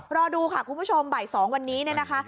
รอดูค่ะคุณผู้ชมบ่าย๒วันนี้เนี่ยนะคะ